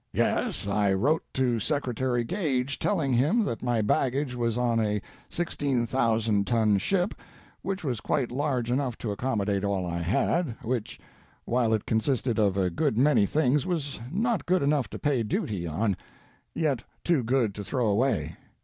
"Yes, I wrote to Secretary Gage telling him that my baggage was on a 16,000 ton ship, which was quite large enough to accommodate all I had, which, while it consisted of a good many things, was not good enough to pay duty on, yet too good to throw away.